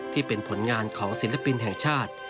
ที่เป็นผลงานของศิลปินแห่งชาติ